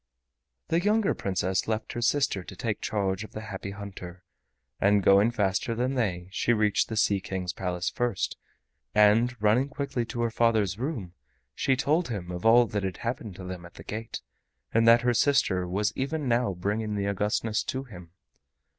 The younger Princess left her sister to take charge of the Happy Hunter, and going faster than they, she reached the Sea King's Palace first, and running quickly to her father's room, she told him of all that had happened to them at the gate, and that her sister was even now bringing the Augustness to him.